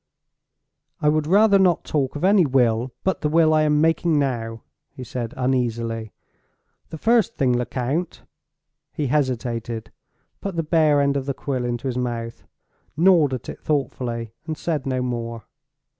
"I would rather not talk of any will but the will I am making now," he said uneasily. "The first thing, Lecount—" He hesitated—put the bare end of the quill into his mouth—gnawed at it thoughtfully—and said no more.